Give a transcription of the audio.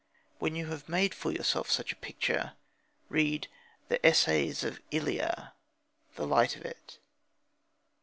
When you have made for yourself such a picture, read the Essays of Elia the light of it.